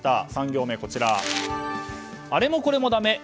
３行目はあれもこれもダメ？